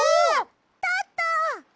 たった！